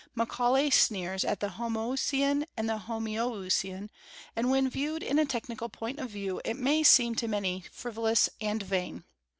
Macaulay sneers at the homoousian and the homoiousian; and when viewed in a technical point of view, it may seem to many frivolous and vain.